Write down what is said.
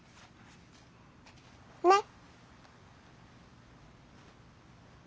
ねっ。